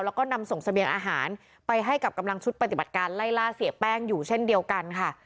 แล้วก็นำส่งเสบียงอาหารไปให้กับกำลังชุดปฏิบัติการไล่ล่าเสียแป้งอยู่เช่นเดียวกันค่ะ